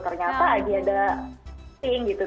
ternyata dia ada shooting gitu